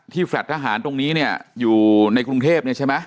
แฟลต์ทหารตรงนี้เนี่ยอยู่ในกรุงเทพเนี่ยใช่ไหม